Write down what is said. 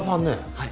はい。